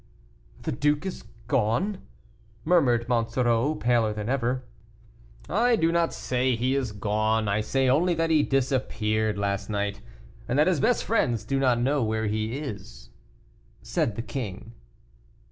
"The duke gone!" murmured Monsoreau, paler than ever. "I do not say he is gone, I say only that he disappeared last night, and that his best friends do not know where he is," said the king.